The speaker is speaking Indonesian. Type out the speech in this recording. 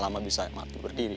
lama bisa mati berdiri